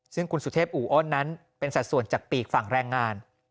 ซึ่งคุณสุเทพอูอ้อนนั้นเป็นสัดส่วนจากปีกฝั่งแรงงาน